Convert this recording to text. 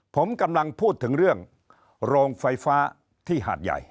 ผมกำลังพูดถึงเรื่องโรงไฟฟ้าที่หาดใหญ่